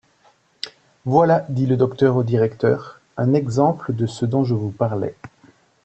Voilà, dit le docteur au directeur, un exemple de ce dont je vous parlais.